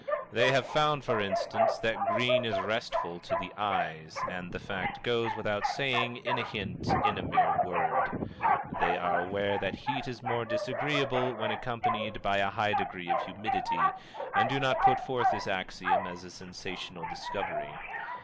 They have found, for instance, that green is restful to the eyes, and the fact goes without saying, in a hint, in a mere word. They are aware that heat is more disagreeable when accompanied by a high degree of humidity, and do not put forth this axiom as a sensational discovery.